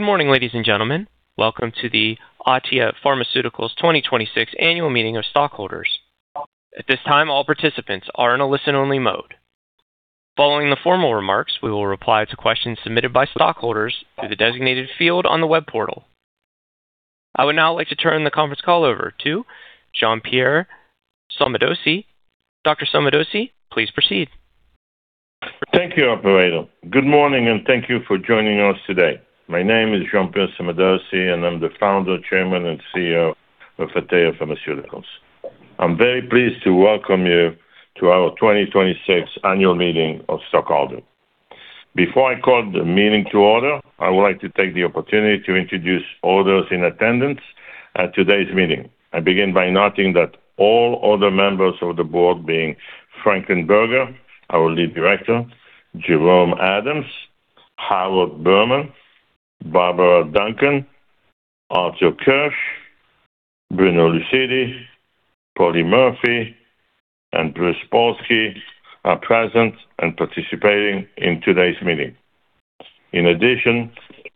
Good morning, ladies and gentlemen. Welcome to the Atea Pharmaceuticals 2026 Annual Meeting of Stockholders. At this time, all participants are in a listen-only mode. Following the formal remarks, we will reply to questions submitted by stockholders through the designated field on the web portal. I would now like to turn the conference call over to Jean-Pierre Sommadossi. Dr. Sommadossi, please proceed. Thank you, operator. Good morning and thank you for joining us today. My name is Jean-Pierre Sommadossi and I'm the founder, chairman, and CEO of Atea Pharmaceuticals. I'm very pleased to welcome you to our 2026 Annual Meeting of Stockholders. Before I call the meeting to order, I would like to take the opportunity to introduce all those in attendance at today's meeting. I begin by noting that all other members of the board, being Franklin Berger, our Lead Director, Jerome Adams, Howard Berman, Barbara Duncan, Arthur Kirsch, Bruno Lucidi, Polly Murphy, and Bruce Polsky, are present and participating in today's meeting. In addition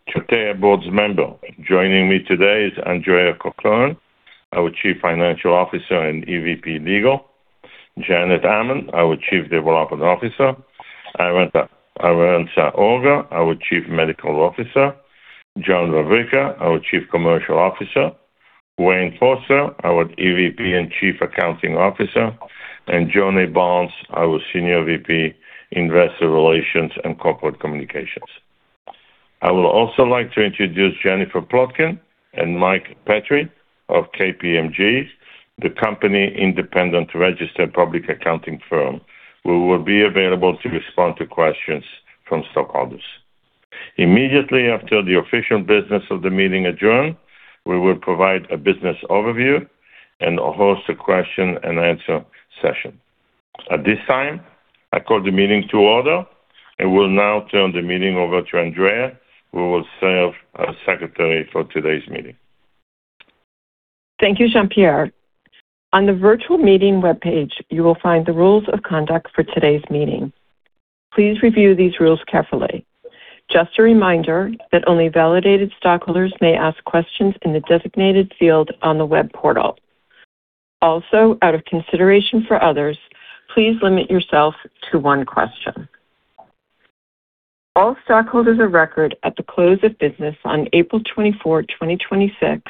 to Atea board's member, joining me today is Andrea Corcoran, our Chief Financial Officer and EVP Legal, Janet Hammond, our Chief Development Officer, Arantxa Horga, our Chief Medical Officer, John Vavricka, our Chief Commercial Officer, Wayne Foster, our EVP and Chief Accounting Officer, and Jonae Barnes, our Senior VP, Investor Relations & Corporate Communications. I would also like to introduce Jennifer Plotnick and Mike Petry of KPMG, the company independent registered public accounting firm, who will be available to respond to questions from stockholders. Immediately after the official business of the meeting adjourn, we will provide a business overview and host a question and answer session. At this time, I call the meeting to order and will now turn the meeting over to Andrea, who will serve as secretary for today's meeting. Thank you, Jean-Pierre. On the virtual meeting webpage, you will find the rules of conduct for today's meeting. Please review these rules carefully. Just a reminder that only validated stockholders may ask questions in the designated field on the web portal. Also, out of consideration for others, please limit yourself to one question. All stockholders of record at the close of business on April 24th, 2026,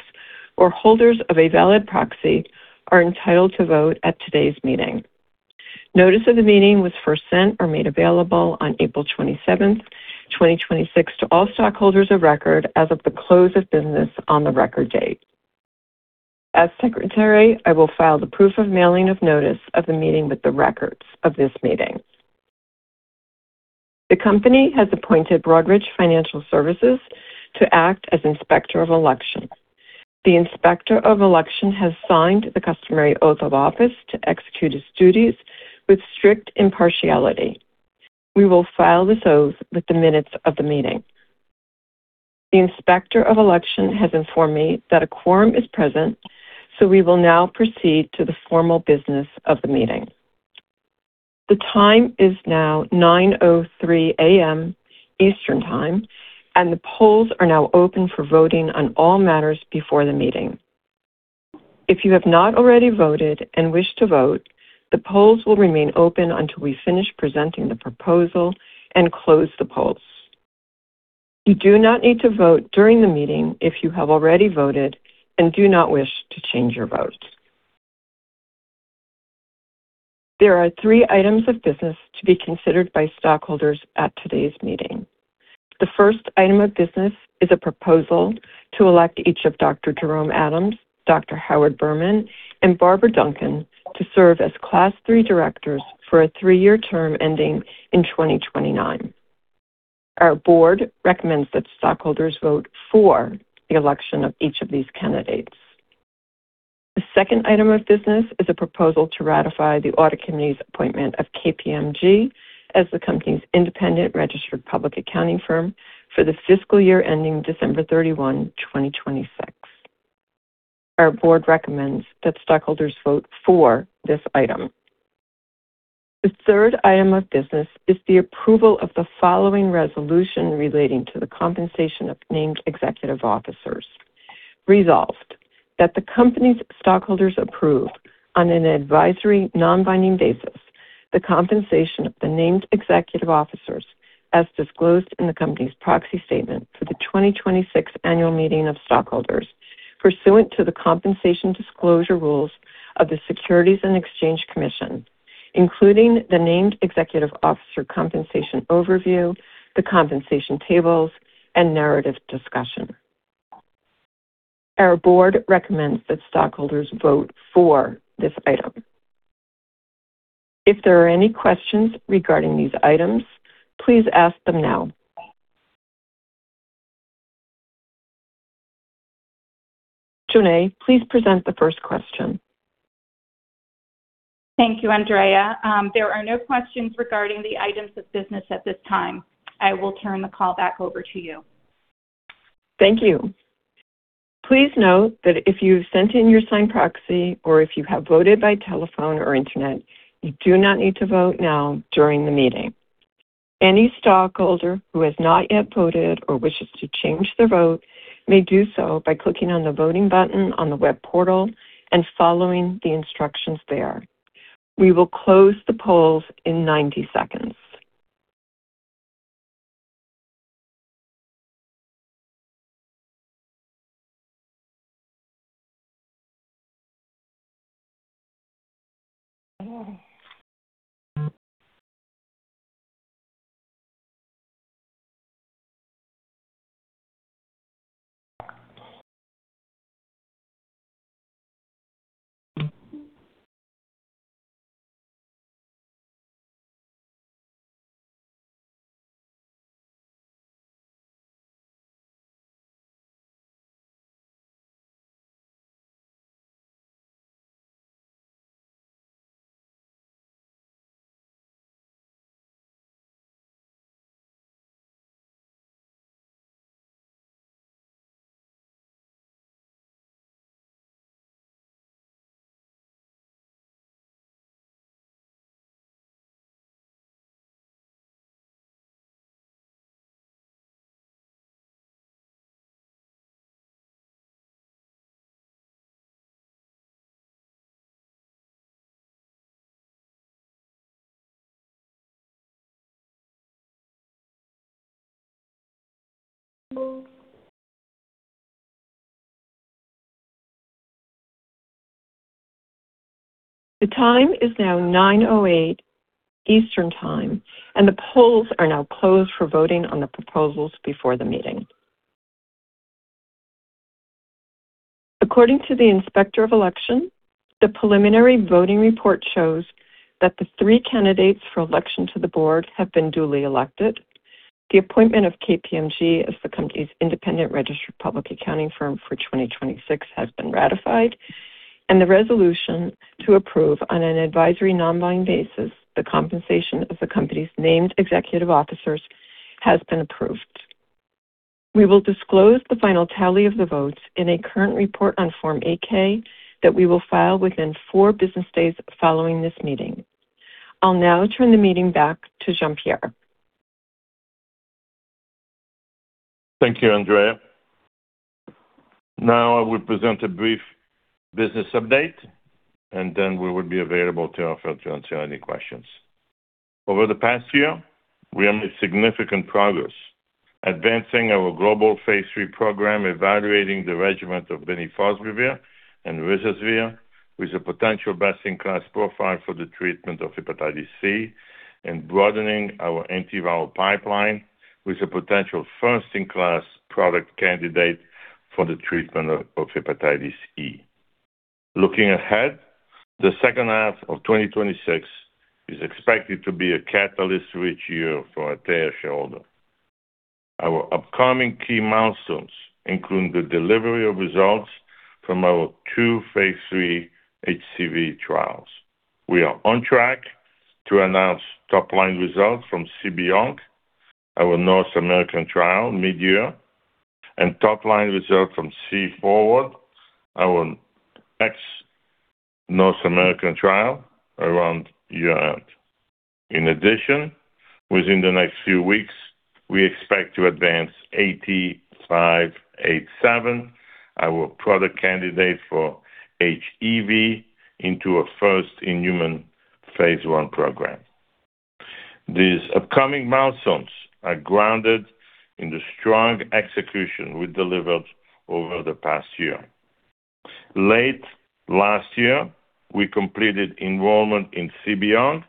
or holders of a valid proxy are entitled to vote at today's meeting. Notice of the meeting was first sent or made available on April 27th, 2026 to all stockholders of record as of the close of business on the record date. As secretary, I will file the proof of mailing of notice of the meeting with the records of this meeting. The company has appointed Broadridge Financial Solutions to act as Inspector of Election. The Inspector of Election has signed the customary oath of office to execute his duties with strict impartiality. We will file this oath with the minutes of the meeting. The Inspector of Election has informed me that a quorum is present. We will now proceed to the formal business of the meeting. The time is now 9:03 A.M. Eastern Time, and the polls are now open for voting on all matters before the meeting. If you have not already voted and wish to vote, the polls will remain open until we finish presenting the proposal and close the polls. You do not need to vote during the meeting if you have already voted and do not wish to change your vote. There are three items of business to be considered by stockholders at today's meeting. The first item of business is a proposal to elect each of Dr. Jerome Adams, Dr. Howard Berman, and Barbara Duncan to serve as Class III directors for a three-year term ending in 2029. Our board recommends that stockholders vote for the election of each of these candidates. The second item of business is a proposal to ratify the Audit Committee's appointment of KPMG as the company's independent registered public accounting firm for the fiscal year ending December 31, 2026. Our board recommends that stockholders vote for this item. The third item of business is the approval of the following resolution relating to the compensation of named executive officers. Resolved: That the company's stockholders approve, on an advisory, non-binding basis, the compensation of the named executive officers as disclosed in the company's proxy statement for the 2026 Annual Meeting of Stockholders pursuant to the compensation disclosure rules of the Securities and Exchange Commission, including the named executive officer compensation overview, the compensation tables, and narrative discussion. Our board recommends that stockholders vote for this item. If there are any questions regarding these items, please ask them now. Jonae, please present the first question. Thank you, Andrea. There are no questions regarding the items of business at this time. I will turn the call back over to you. Thank you. Please note that if you've sent in your signed proxy or if you have voted by telephone or internet, you do not need to vote now during the meeting. Any stockholder who has not yet voted or wishes to change their vote may do so by clicking on the voting button on the web portal and following the instructions there. We will close the polls in 90 seconds. The time is now 9:08 Eastern Time, and the polls are now closed for voting on the proposals before the meeting. According to the Inspector of Election, the preliminary voting report shows that the three candidates for election to the board have been duly elected. The appointment of KPMG as the company's independent registered public accounting firm for 2026 has been ratified. The resolution to approve, on an advisory non-binding basis, the compensation of the company's named executive officers has been approved. We will disclose the final tally of the votes in a current report on Form 8-K that we will file within four business days following this meeting. I'll now turn the meeting back to Jean-Pierre. Thank you, Andrea. Now I will present a brief business update, and then we would be available to answer any questions. Over the past year, we have made significant progress advancing our global phase III program, evaluating the regimen of bemnifosbuvir and ruzasvir with a potential best-in-class profile for the treatment of hepatitis C and broadening our antiviral pipeline with a potential first-in-class product candidate for the treatment of hepatitis E. Looking ahead, the second half of 2026 is expected to be a catalyst-rich year for Atea shareholders. Our upcoming key milestones include the delivery of results from our two phase III HCV trials. We are on track to announce top-line results from C-Beyond, our North American trial, mid-year, and top-line results from C-Forward, our ex-North American trial, around year-end. In addition, within the next few weeks, we expect to advance AT-587, our product candidate for HEV, into a first-in-human phase I program. These upcoming milestones are grounded in the strong execution we delivered over the past year. Late last year, we completed enrollment in C-Beyond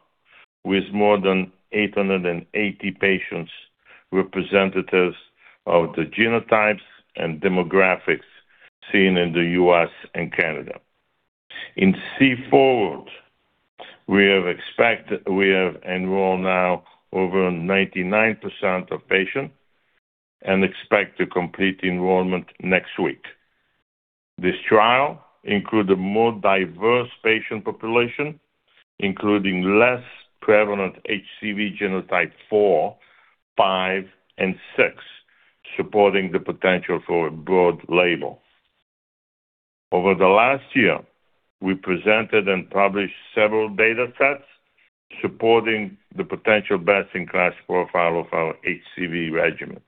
with more than 880 patients, representatives of the genotypes and demographics seen in the U.S. and Canada. In C-Forward, we have enrolled now over 99% of patients and expect to complete enrollment next week. This trial includes a more diverse patient population, including less prevalent HCV genotype 4, 5, and 6, supporting the potential for a broad label. Over the last year, we presented and published several data sets supporting the potential best-in-class profile of our HCV regimen.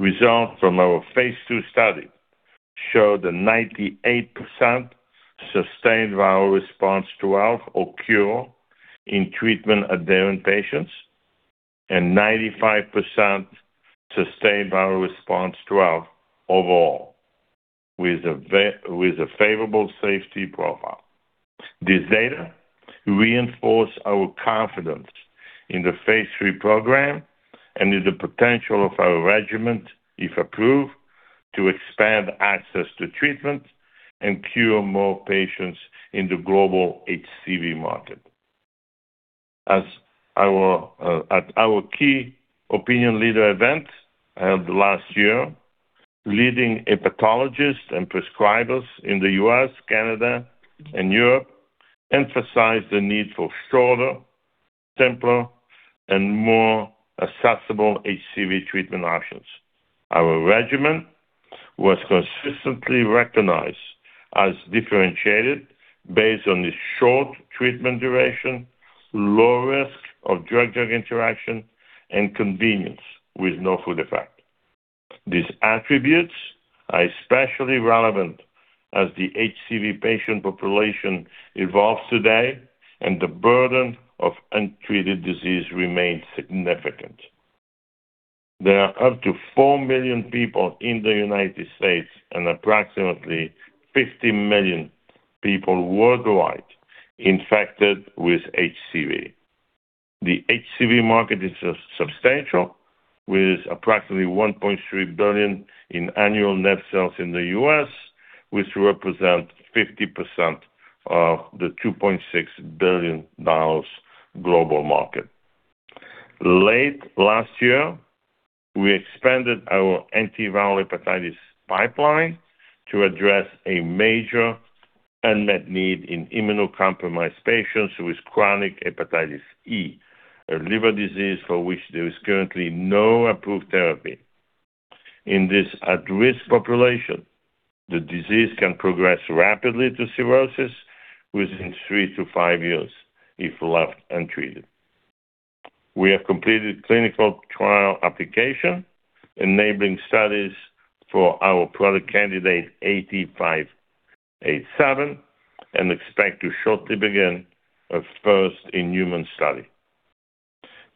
Results from our phase II study showed a 98% Sustained Virologic Response 12 or cure in treatment-adherent patients and 95% Sustained Virologic Response 12 overall, with a favorable safety profile. This data reinforce our confidence in the phase III program and in the potential of our regimen, if approved, to expand access to treatment and cure more patients in the global HCV market. At our key opinion leader event held last year, leading hepatologists and prescribers in the U.S., Canada, and Europe emphasized the need for shorter, simpler and more accessible HCV treatment options. Our regimen was consistently recognized as differentiated based on its short treatment duration, low risk of drug-drug interaction, and convenience with no food effect. These attributes are especially relevant as the HCV patient population evolves today and the burden of untreated disease remains significant. There are up to 4 million people in the United States and approximately 50 million people worldwide infected with HCV. The HCV market is substantial, with approximately $1.3 billion in annual net sales in the U.S., which represent 50% of the $2.6 billion global market. Late last year, we expanded our antiviral hepatitis pipeline to address a major unmet need in immunocompromised patients with chronic Hepatitis E, a liver disease for which there is currently no approved therapy. In this at-risk population, the disease can progress rapidly to cirrhosis within three to five years if left untreated. We have completed clinical trial application, enabling studies for our product candidate AT-587 and expect to shortly begin a first-in-human study.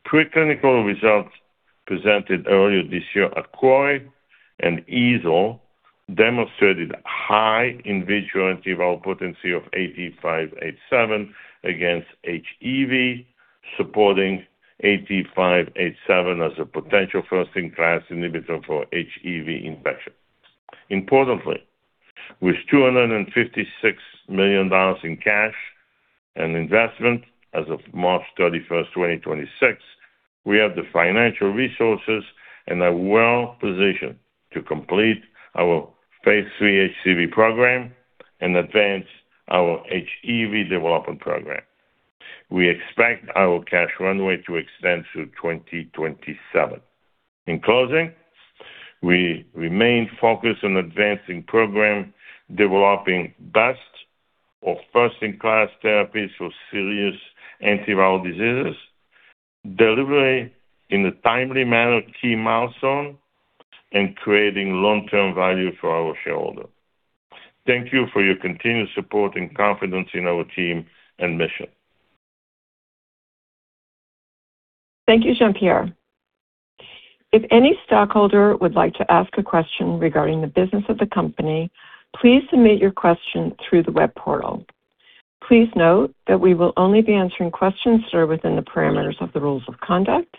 Preclinical results presented earlier this year at CROI and EASL demonstrated high in vitro antiviral potency of AT-587 against HEV, supporting AT-587 as a potential first-in-class inhibitor for HEV infection. Importantly, with $256 million in cash and investment as of March 31st, 2026, we have the financial resources and are well-positioned to complete our phase III HCV program and advance our HEV development program. We expect our cash runway to extend through 2027. In closing, we remain focused on advancing program, developing best or first-in-class therapies for serious antiviral diseases, delivering in a timely manner key milestones, and creating long-term value for our shareholders. Thank you for your continued support and confidence in our team and mission. Thank you, Jean-Pierre. If any stockholder would like to ask a question regarding the business of the company, please submit your question through the web portal. Please note that we will only be answering questions that are within the parameters of the rules of conduct,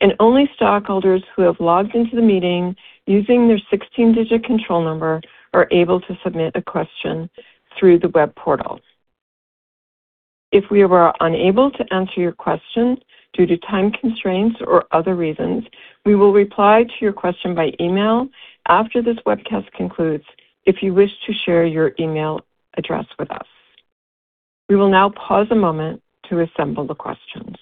and only stockholders who have logged into the meeting using their 16-digit control number are able to submit a question through the web portal. If we are unable to answer your question due to time constraints or other reasons, we will reply to your question by email after this webcast concludes if you wish to share your email address with us. We will now pause a moment to assemble the questions.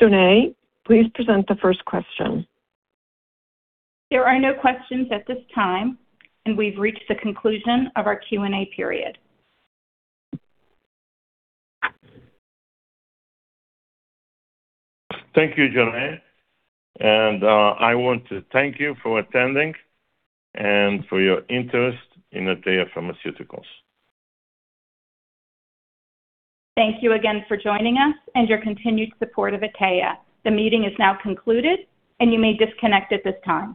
Jonae, please present the first question. There are no questions at this time, and we've reached the conclusion of our Q&A period. Thank you, Jonae, and I want to thank you for attending and for your interest in Atea Pharmaceuticals. Thank you again for joining us and your continued support of Atea. The meeting is now concluded and you may disconnect at this time.